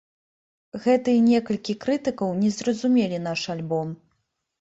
Гэтыя некалькі крытыкаў не зразумелі наш альбом.